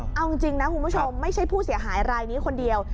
เอาจริงนะคุณผู้ชมไม่ใช่ผู้เสียหายรายนี้คนเดียว